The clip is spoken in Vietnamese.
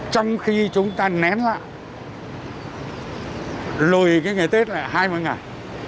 trong khi chúng ta nén lại lùi cái ngày tết lại hai mươi ngày